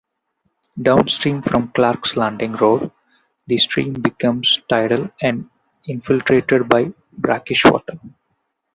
Downstream from Clark's Landing Road, the stream becomes tidal and infiltrated by brackish water.